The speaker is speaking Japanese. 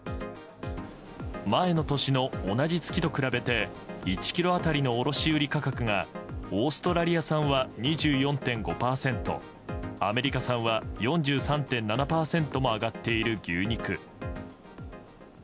前の年の同じ月と比べて１ｋｇ当たりの卸売価格がオーストラリア産は２４．５％アメリカ産は４３．７％も上がっている牛肉。